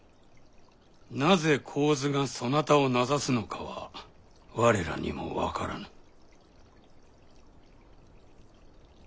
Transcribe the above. なぜ神頭がそなたを名指すのかは我らにも分からぬ。